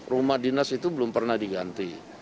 rumah dinas itu belum pernah diganti